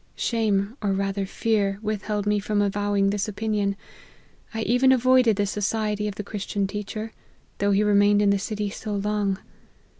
Shame, or rather fear, withheld me from avowing this opinion ; I even avoided the society of the Christian teacher, though he remained in the city so long.